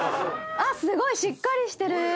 あっすごいしっかりしてる。